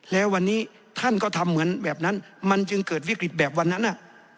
แล้ววันนี้ท่านก็ทำเหมือนแบบนั้นมันจึงเกิดวิกฤตแบบวันนั้น